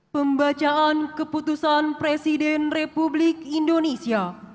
pembacaan keputusan presiden republik indonesia